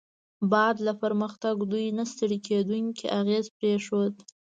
بعد له پرمختګ، دوی نه ستړي کیدونکی اغېز پرېښود.